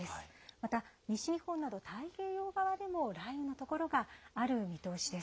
また西日本など太平洋側でも雷雨の所がある見通しです。